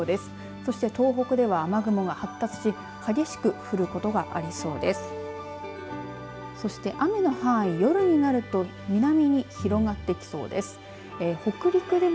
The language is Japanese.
そして東北では雨雲が発達し激しく降ることがありそうです。